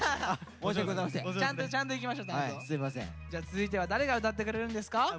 じゃあ続いては誰が歌ってくれるんですか？